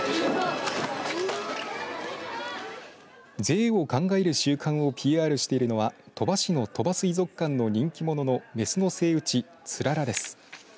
税を考える週間をＰＲしているのは鳥羽市の鳥羽水族館の人気者のメスのセイウチ、ツララです。